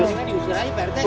ini diusir saja pak rt